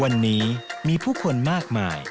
วันนี้มีผู้คนมากมาย